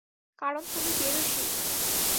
কারণ তুমি বেরসিক।